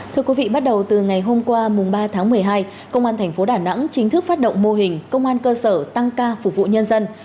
thưa quý vị bắt đầu từ ngày hôm qua mùng ba tháng một mươi hai công an tp đà nẵng chính thức phát động mô hình công an cơ sở tăng ca phục vụ nhân dân